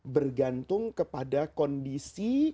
bergantung kepada kondisi